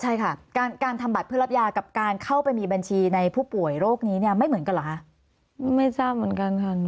ใช่ค่ะการทำบัตรเพื่อรับยากับการเข้าไปมีบัญชีในผู้ป่วยโรคนี้ไม่เหมือนกันเหรอ